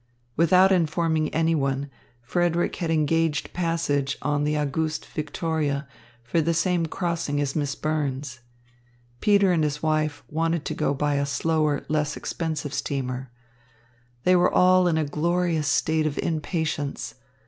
Without informing anyone, Frederick had engaged passage on the Auguste Victoria for the same crossing as Miss Burns. Peter and his wife wanted to go by a slower, less expensive steamer. They were all in a glorious state of impatience.